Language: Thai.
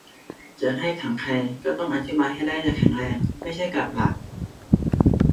อยากให้ขังใคร ก็ต้องอธิบายให้ได้อย่างแข็งแรง - ไม่ใช่กลับหลัก